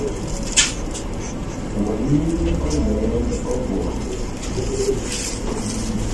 Wa nɛ ɔ lɛ ɔvuha.